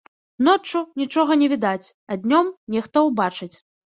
Ноччу нічога не відаць, а днём нехта ўбачыць.